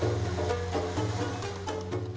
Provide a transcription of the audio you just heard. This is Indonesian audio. hai neneknya yang senang